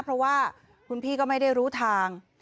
เพราะว่าคุณพี่ก็ไม่ได้รู้ทาง